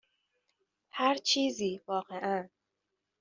هر چیزی، واقعا.